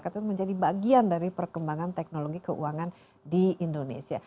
katanya menjadi bagian dari perkembangan teknologi keuangan di indonesia